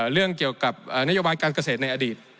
เรื่องเกี่ยวกับนโยบายการเกษตรในอดีต